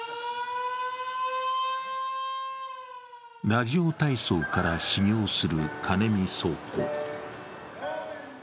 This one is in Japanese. ラジオ体操から始業するカネミ倉庫。